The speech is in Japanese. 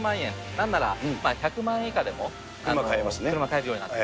なんなら１００万円以下でも車買えるようになった。